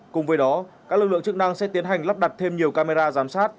cùng với đó các lực lượng chức năng sẽ tiến hành lắp đặt thêm nhiều camera giám sát